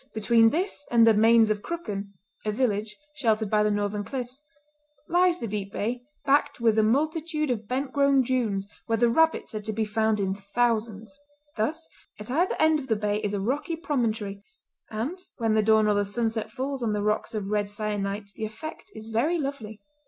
Between this and the "Mains of Crooken"—a village sheltered by the northern cliffs—lies the deep bay, backed with a multitude of bent grown dunes where the rabbits are to be found in thousands. Thus at either end of the bay is a rocky promontory, and when the dawn or the sunset falls on the rocks of red syenite the effect is very lovely.